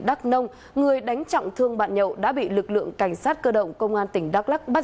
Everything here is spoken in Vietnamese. đắk nông người đánh trọng thương bạn nhậu đã bị lực lượng cảnh sát cơ động công an tỉnh đắk lắc bắt